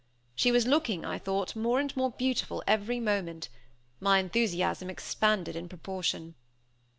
She was looking, I thought, more and more beautiful every moment. My enthusiasm expanded in proportion.